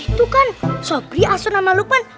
itu kan sopri asun sama lukman